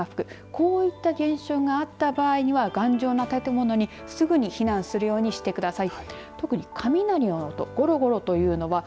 こういった現象があった場合には頑丈な建物にすぐに避難するようにしてください。